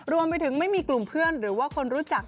รวมไปถึงไม่มีกลุ่มเพื่อนหรือว่าคนรู้จัก